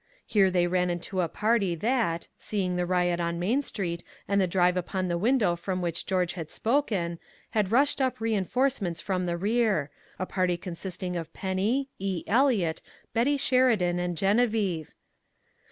Here they ran into a party that, seeing the riot on Main Street and the drive upon the window from which George had spoken, had rushed up reinforcements from the rear a party consisting of Penny, E. Eliot, Betty Sheridan and Geneviève.